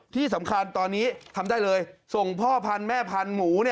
ที่สำคัญตอนนี้ทำได้เลยส่งพ่อพันธุ์แม่พันธุ์หมู